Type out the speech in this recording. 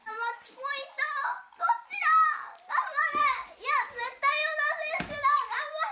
いや、絶対小田選手だ、頑張れ。